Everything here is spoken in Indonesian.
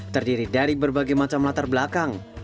terdiri dari berbagai macam latar belakang